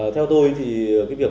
theo tôi thì cái việc